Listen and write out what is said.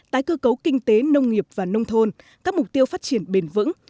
tái cơ cấu kinh tế nông nghiệp và nông thôn các mục tiêu phát triển bền vững